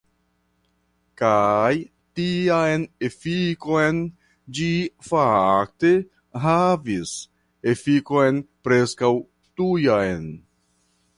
Kaj tian efikon ĝi fakte havis, efikon preskaŭ tujan.